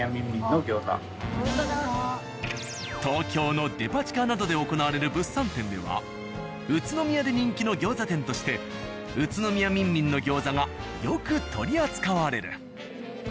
東京のデパ地下などで行われる物産展では宇都宮で人気の餃子店として「宇都宮みんみん」の餃子がよく取り扱われる。